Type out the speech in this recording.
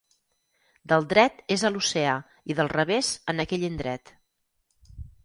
Del dret és a l'oceà i del revés en aquell indret.